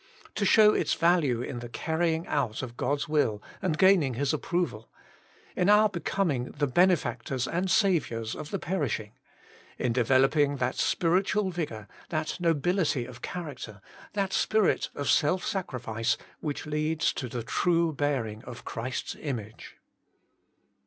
To show its value in the carrying out of God's will, and gaining His approval ; in our be coming the benefactors and saviours of the perishing; in developing that spiritual vig our, that nobility of character, that spirit of Working for God 29 self sacrifice which leads to the true bear ing of Christ's image.